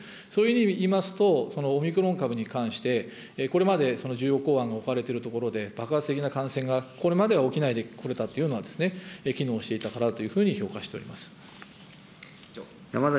そういう意味で言いますと、そのオミクロン株に関して、これまで重要港湾が置かれている所で、爆発的な感染が、これまでは起きないでこれたというのは、機能していたからだというふうに評価しております。